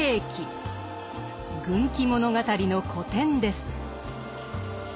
軍記物語の古典です。